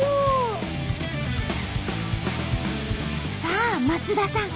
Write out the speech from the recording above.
さあ松田さん